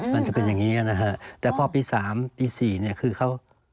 มันจะเป็นอย่างนี้นะฮะแต่พอปี๓ปี๔เนี่ยคือเขา